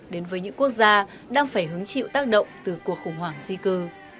đến với những quốc gia đang phải hứng chịu tác động từ cuộc khủng hoảng di cư